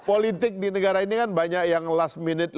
politik di negara ini kan banyak yang last minute